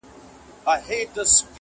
زړه به درکوم ته به یې نه منې!!